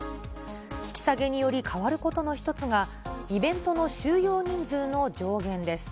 引き下げにより変わることの一つが、イベントの収容人数の上限です。